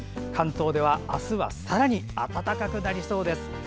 関東では、あすはさらに暖かくなりそうです。